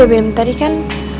oh iya bem tadi kan